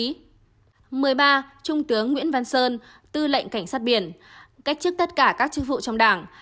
thứ mười ba trung tướng nguyễn văn sơn tư lệnh cảnh sát biển cách trước tất cả các chức vụ trong đảng